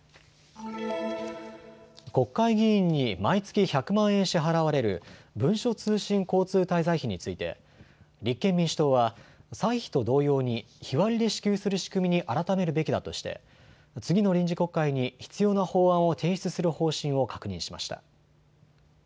国会議員に毎月１００万円支払われる文書通信交通滞在費について立憲民主党は歳費と同様に日割りで支給する仕組みに改めるべきだとして次の臨時国会に必要な法案を提出する方針を確認しました。